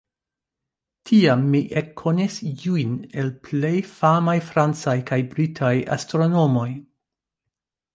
Tiam li ekkonis iujn el plej famaj francaj kaj britaj astronomoj.